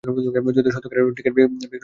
যদিও সত্যিকারের টিকেট বিক্রয় সংখ্যা অজানা।